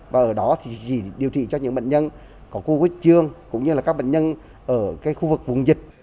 và ở đó thì chỉ điều trị cho những bệnh nhân có covid một mươi chín cũng như là các bệnh nhân ở khu vực vùng dịch